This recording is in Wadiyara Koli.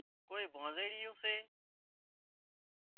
ڪوئي ڀانڻزڙيون سي